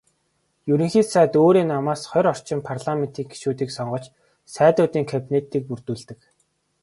Ерөнхий сайд өөрийн намаас хорь орчим парламентын гишүүнийг сонгож "Сайдуудын кабинет"-ийг бүрдүүлдэг.